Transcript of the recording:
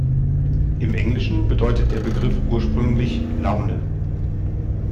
Im Englischen bedeutet der Begriff ursprünglich „Laune“.